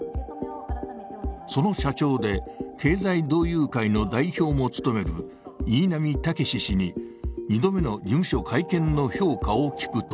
その社長で、経済同友会の代表も務める新浪剛史氏に２度目の事務所会見の評価を聞くと